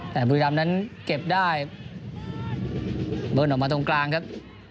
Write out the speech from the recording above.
แต่บุรีรำนั้นเก็บได้เบิ้ลออกมาตรงกลางครับ